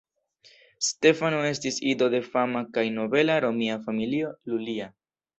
Stefano estis ido de fama kaj nobela romia familio "Iulia".